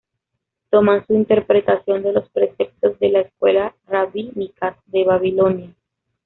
Toman su interpretación de los preceptos de las escuelas rabínicas de Babilonia.